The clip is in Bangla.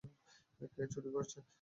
কে চুরি করছে?